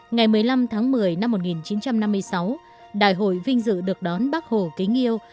ngày một mươi năm tháng một mươi năm một nghìn chín trăm năm mươi sáu đại hội vinh dự được đón bác hồ kính yêu